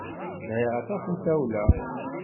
Sɛiɣ aṭas n tawla.